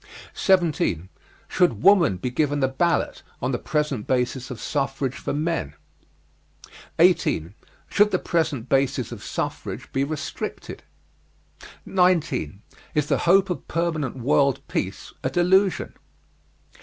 17. Should woman be given the ballot on the present basis of suffrage for men? 18. Should the present basis of suffrage be restricted? 19. Is the hope of permanent world peace a delusion?